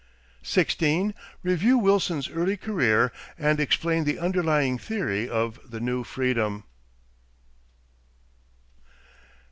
16. Review Wilson's early career and explain the underlying theory of The New Freedom.